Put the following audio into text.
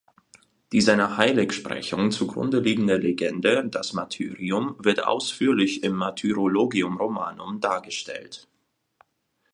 Die seiner Heiligsprechung zugrundeliegende Legende, das Martyrium, wird ausführlich im Martyrologium Romanum dargestellt.